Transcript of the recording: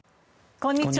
こんにちは。